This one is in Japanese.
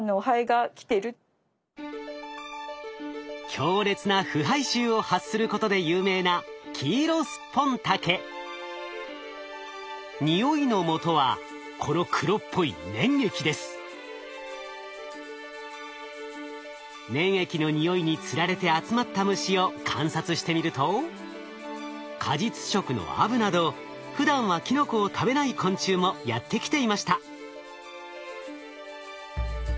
強烈な腐敗臭を発することで有名な匂いのもとは粘液の匂いにつられて集まった虫を観察してみると果実食のアブなどふだんはキノコを食べない昆虫もやって来ていました。